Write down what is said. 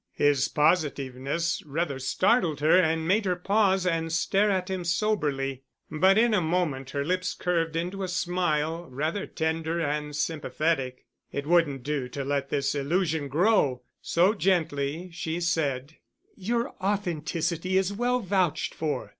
His positiveness rather startled her and made her pause and stare at him soberly. But in a moment her lips curved into a smile, rather tender and sympathetic. It wouldn't do to let this illusion grow, so gently she said: "Your authenticity is well vouched for.